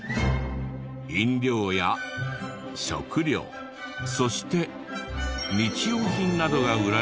飲料や食料そして日用品などが売られているお店。